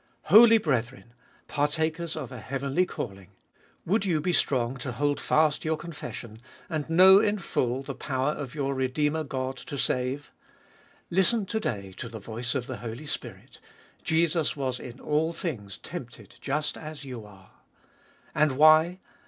Holy brethren ! partakers of a heavenly calling ! would you be strong to hold fast your confession, and know in full the power of your Redeemer God to save ; listen to day to the voice of the Holy Spirit : Jesus was in all things tempted just as you are. And why